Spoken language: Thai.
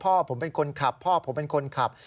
พ่อผมเป็นคนขับพ่อผมเป็นคนขับ